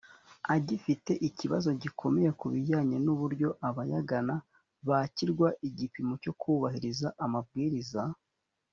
agifite ikibazo gikomeye ku bijyanye n uburyo abayagana bakirwa igipimo cyo kubahiriza amabwiriza